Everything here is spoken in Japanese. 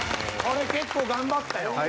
これ結構頑張ったよ。